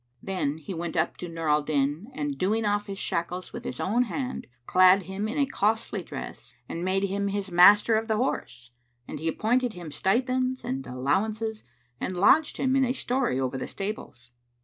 Then he went up to Nur al Din and, doing off his shackles with his own hand, clad him in a costly dress and made him his master of the Horse; and he appointed him stipends and allowances and lodged him in a story over the stables.